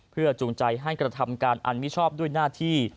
เพื่อจูงใจให้กระทำการอันมิชอบด้วยหน้าที่